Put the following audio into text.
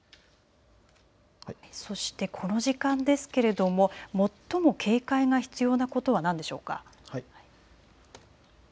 この時間ですが最も警戒が必要なことは何でしょうか。